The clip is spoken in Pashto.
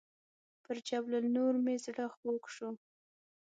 پر جبل النور مې زړه خوږ شو.